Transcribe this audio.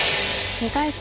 ２回戦